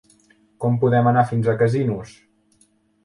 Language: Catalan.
Com podem anar fins a Casinos?